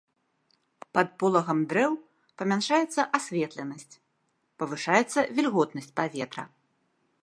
Пад полагам дрэў памяншаецца асветленасць, павышаецца вільготнасць паветра.